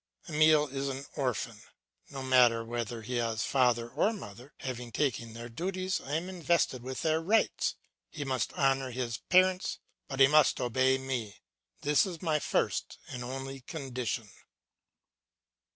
Emile is an orphan. No matter whether he has father or mother, having undertaken their duties I am invested with their rights. He must honour his parents, but he must obey me. That is my first and only condition.